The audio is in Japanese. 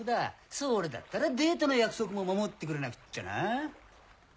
それだったらデートの約束も守ってくれなくっちゃな。